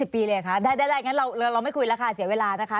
ปีเลยเหรอคะได้งั้นเราไม่คุยแล้วค่ะเสียเวลานะคะ